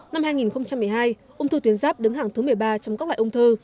năm hai nghìn một mươi hai ung thư tuyến giáp đứng hàng thứ một mươi ba trong các loại ung thư